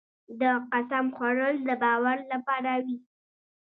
د قسم خوړل د باور لپاره وي.